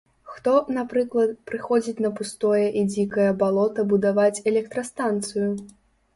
Хто, напрыклад, прыходзіць на пустое і дзікае балота будаваць электрастанцыю?